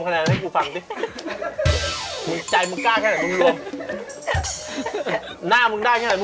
หน้ามึงได้ไงแหละมึงรวม